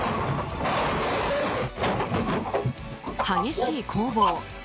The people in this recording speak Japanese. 激しい攻防。